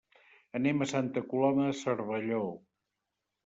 Anem a Santa Coloma de Cervelló.